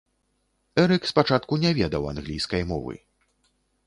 Эрык спачатку не ведаў англійскай мовы.